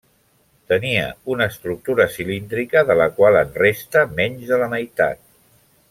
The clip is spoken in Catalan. Tenia una estructura cilíndrica de la qual en resta menys de la meitat.